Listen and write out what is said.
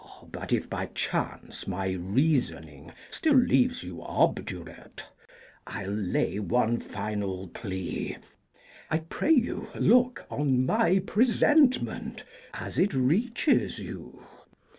But if by chance My reasoning still leaves you obdurate, I'll lay one final plea. I pray you look On my presentment, as it reaches you.